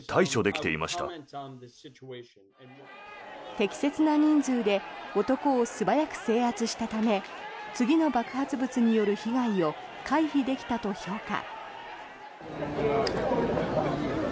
適切な人数で男を素早く制圧したため次の爆発物による被害を回避できたと評価。